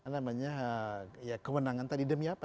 namanya ya kewenangan tadi demi apa